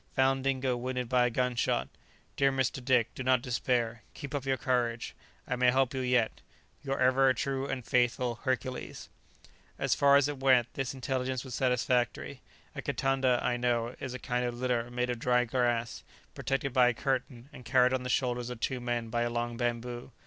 Found Dingo wounded by a gun shot. Dear Mr. Dick, do not despair; keep up your courage. I may help you yet. "Your ever true and faithful "HERCULES." As far as it went, this intelligence was satisfactory. A kitanda, I know, is a kind of litter made of dry grass, protected by a curtain, and carried on the shoulders of two men by a long bamboo.